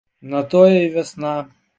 На тое і вясна.